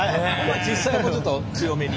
実際もうちょっと強めに？